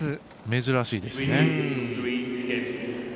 珍しいですね。